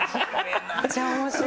めっちゃ面白い。